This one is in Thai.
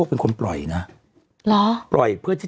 คือคือคือคือคือ